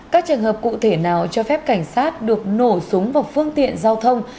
các trường hợp cụ thể nào cho phép cảnh sát được nổ súng vào phương tiện giao thông